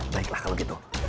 baiklah kalau gitu